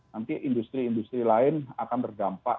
nanti industri industri lain akan terdampak